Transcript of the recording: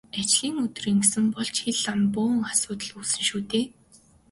Ажлын өдөр ингэсэн бол ч хэл ам гарч бөөн асуудал үүснэ шүү дээ.